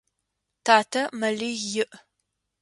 Татэ мэлий иӏ.